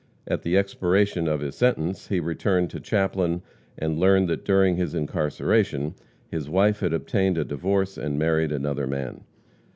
At the expiration of his sentence he returned to Chaplin and learned that during his incarceration his wife had obtained a divorce and married another man.